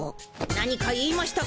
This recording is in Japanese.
何か言いましたか？